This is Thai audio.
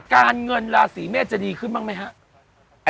การเงินราศีเมษจะดีขึ้นบ้างไหมครับ